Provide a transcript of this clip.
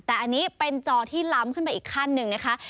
แต่อันนี้เป็นจอที่ล้ำขึ้นไปอีกขั้นหนึ่งนะคะ